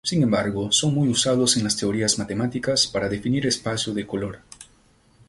Sin embargo, son muy usados en las teorías matemáticas para definir espacios de color.